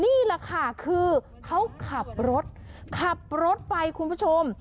นี่แหละค่ะคือเขาขับรถขับรถไปคุณผู้ชม